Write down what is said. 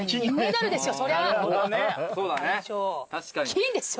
金ですよ